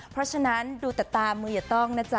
เพราะฉะนั้นดูแต่ตามมืออย่าต้องนะจ๊